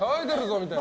みたいな。